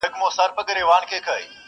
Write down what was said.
لنډۍ په غزل کي، پنځمه برخه٫